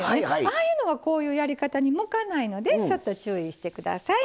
ああいうのはこういうやり方に向かないのでちょっと注意して下さい。